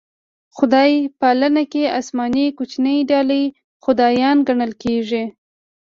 خدای پالنه کې اسماني کوچنۍ ډلې خدایان ګڼل کېږي.